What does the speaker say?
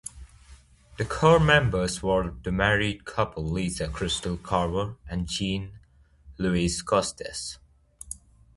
The core members were the married couple Lisa Crystal Carver and Jean-Louis Costes.